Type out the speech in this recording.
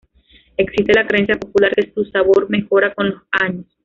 Existe la creencia popular que su sabor mejora con los años.